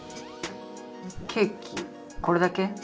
ケーキこれだけ？